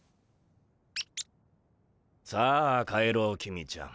さあ帰ろう公ちゃん。